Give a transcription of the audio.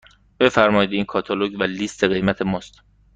بفرمایید این کاتالوگ و لیست قیمت ماست.